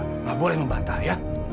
tidak boleh membantah ya